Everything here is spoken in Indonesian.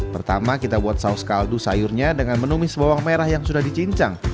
pertama kita buat saus kaldu sayurnya dengan menumis bawang merah yang sudah dicincang